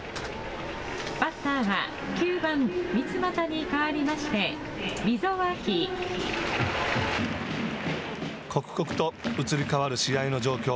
バッターは９番三ツ俣に代わりまして刻々と移り変わる試合の状況。